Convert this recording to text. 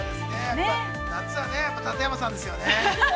◆夏は舘山さんですよね。